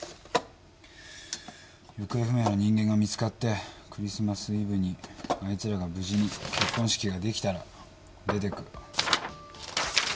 行方不明の人間が見つかってクリスマスイブにあいつらが無事に結婚式ができたら出てく。